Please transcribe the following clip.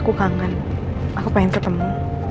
aku kangen aku pengen ketemu